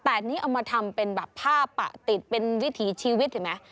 แต่อันนี้เอามาทำเป็นภาพประติศเป็นวิถีชีวิตเห็นไหม